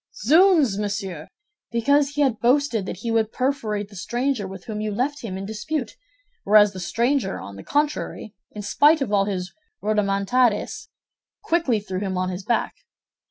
"Zounds, monsieur! Because he had boasted that he would perforate the stranger with whom you left him in dispute; whereas the stranger, on the contrary, in spite of all his rodomontades quickly threw him on his back.